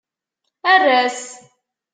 Err-as.